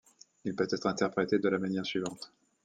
Il peut être interprété de la manière suivante.